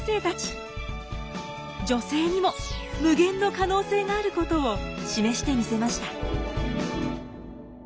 女性にも無限の可能性があることを示してみせました。